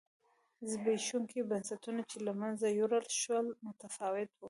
زبېښونکي بنسټونه چې له منځه یووړل شول متفاوت و.